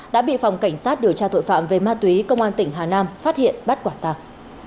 các phòng cảnh sát điều tra tội phạm về ma túy công an tỉnh hà nam phát hiện bắt quả tăng